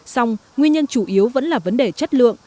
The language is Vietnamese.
xong nguyên nhân chủ yếu vẫn là vấn đề chất lượng